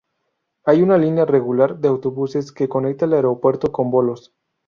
Hay una línea regular de autobuses que conectan el aeropuerto con Volos.